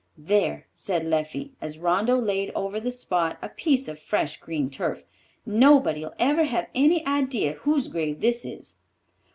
"There," said Leffie, as Rondeau laid over the spot a piece of fresh green turf, "nobody'll ever have any idee whose grave this is."